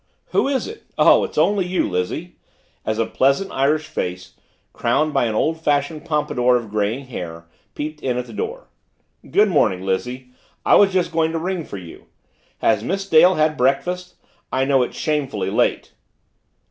"Who is it oh, it's only you, Lizzie," as a pleasant Irish face, crowned by an old fashioned pompadour of graying hair, peeped in at the door. "Good morning, Lizzie I was just going to ring for you. Has Miss Dale had breakfast I know it's shamefully late."